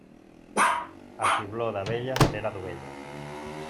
A fibló d'abella, cera d'ovella.